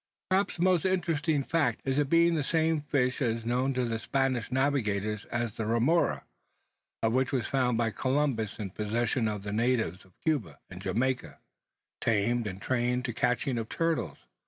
Perhaps the most interesting fact in the history of the Echeneis is its being the same fish as that known to the Spanish navigators as the remora, and which was found by Columbus in possession of the natives of Cuba and Jamaica, tamed, and trained to the catching of turtles!